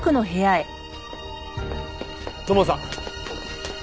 土門さん！